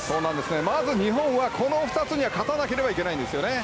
まず日本は、この２つには勝たなければいけないんですね。